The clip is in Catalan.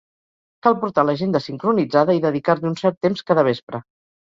Cal portar l'agenda sincronitzada i dedicar-li un cert temps cada vespre.